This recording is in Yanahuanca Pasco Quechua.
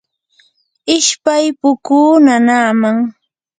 ishpay pukuu nanaaman.